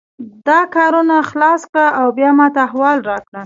دا کارونه خلاص کړه او بیا ماته احوال راکړه